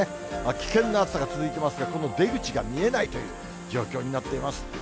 危険な暑さが続いていますが、この出口が見えないという状況になっています。